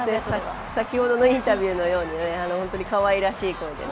先ほどのインタビューのように、かわいらしい声で。